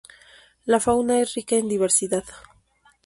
La fauna es rica en diversidad.